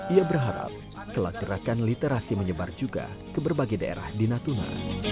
ia berharap kelak gerakan literasi menyebar juga ke berbagai daerah di natuna